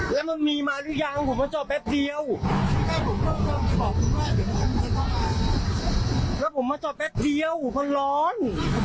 แล้วมันมีมาหรือยังผมมาจอดแป๊บเดียวแล้วผมมาจอดแป๊บเดียวเขาร้อน